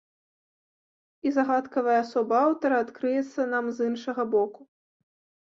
І загадкавая асоба аўтара адкрыецца нам з іншага боку.